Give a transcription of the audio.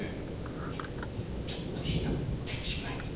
いえちょっとした手違いで。